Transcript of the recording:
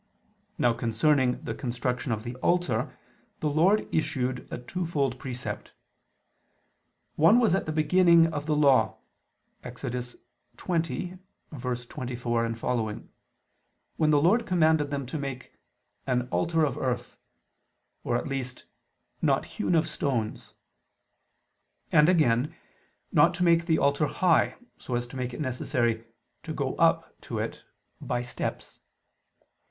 Now concerning the construction of the altar the Lord issued a twofold precept. One was at the beginning of the Law (Ex. 20:24, seqq.) when the Lord commanded them to make "an altar of earth," or at least "not of hewn stones"; and again, not to make the altar high, so as to make it necessary to "go up" to it "by steps."